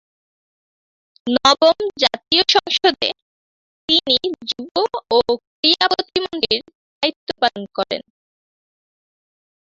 নবম জাতীয় সংসদে তিনি যুব ও ক্রীড়া প্রতিমন্ত্রীর দায়িত্ব পালন করেন।